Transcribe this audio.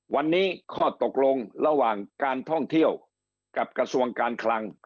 วันนี้ข้อตกลงระหว่างการท่องเที่ยวกับกระทรวงการคลัง